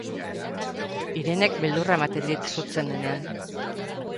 Irenek beldurra ematen dit sutzen denean.